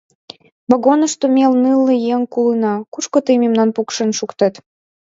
Вагонышто ме нылле еҥ улына, кушко тый мемнам пукшен шуктет?